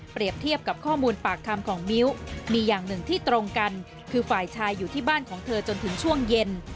เทียบกับข้อมูลปากคำของมิ้วมีอย่างหนึ่งที่ตรงกันคือฝ่ายชายอยู่ที่บ้านของเธอจนถึงช่วงเย็น